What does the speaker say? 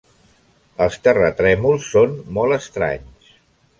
Els terratrèmols són molt estranys.